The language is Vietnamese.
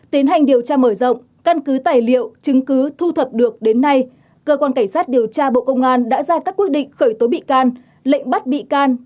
tiến hành điều tra mở rộng căn cứ tài liệu chứng cứ thu thập được đến nay cơ quan cảnh sát điều tra bộ công an đã ra các quyết định khởi tố bị can lệnh bắt bị can